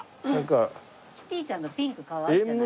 キティちゃんのピンクかわいいんじゃない？